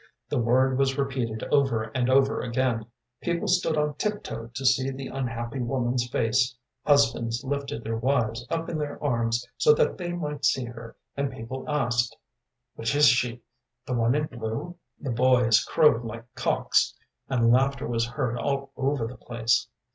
The word was repeated over and over again; people stood on tiptoe to see the unhappy woman's face; husbands lifted their wives up in their arms, so that they might see her, and people asked: “'Which is she? The one in blue?' “The boys crowed like cocks, and laughter was heard all over the place.